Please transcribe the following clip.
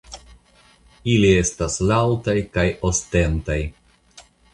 Ili estas laŭtaj kaj ostentaj.